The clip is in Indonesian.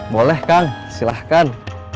boleh kang silahkan